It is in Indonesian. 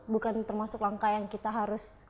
bukan termasuk langkah yang kita harus